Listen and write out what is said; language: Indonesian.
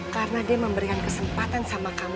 karena dia memberikan kesempatan sama kamu